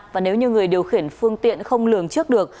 và nếu như người điều khiển phương tiện không lường trước được